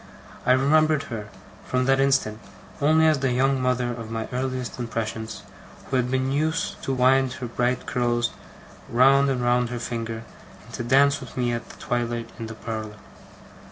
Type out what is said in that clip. I remembered her, from that instant, only as the young mother of my earliest impressions, who had been used to wind her bright curls round and round her finger, and to dance with me at twilight in the parlour.